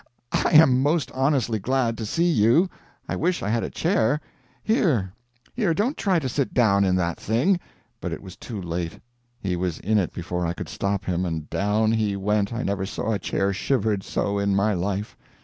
I am most honestly glad to see you. I wish I had a chair Here, here, don't try to sit down in that thing " But it was too late. He was in it before I could stop him and down he went I never saw a chair shivered so in my life.